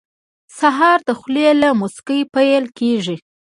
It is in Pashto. سهار د خولې له موسکۍ پیل کېږي.